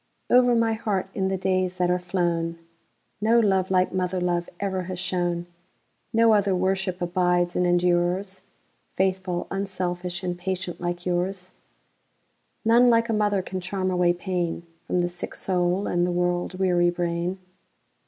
Over my heart, in the days that are flown, No love like mother love ever has shone; No other worship abides and endures,—Faithful, unselfish, and patient like yours:None like a mother can charm away painFrom the sick soul and the world weary brain.